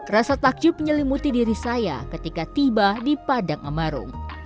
rasa takjub menyelimuti diri saya ketika tiba di padang amarung